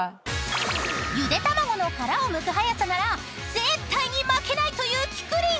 ［ゆでたまごの殻をむく早さなら絶対に負けないというきくりん］